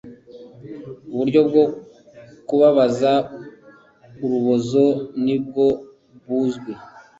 uburyo bwo kubabaza urubozo ni bwo buzwi